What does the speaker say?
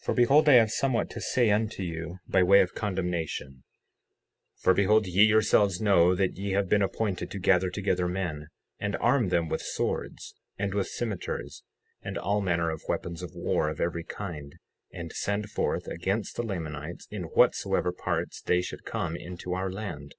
60:2 For behold, I have somewhat to say unto them by the way of condemnation; for behold, ye yourselves know that ye have been appointed to gather together men, and arm them with swords, and with cimeters, and all manner of weapons of war of every kind, and send forth against the Lamanites, in whatsoever parts they should come into our land.